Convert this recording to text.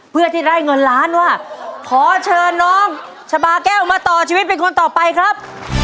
เพื่อที่ได้เงินล้านว่าขอเชิญน้องชะบาแก้วมาต่อชีวิตเป็นคนต่อไปครับ